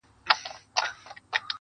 په باغ کي الو غيم، په کلي کي بِلرغو.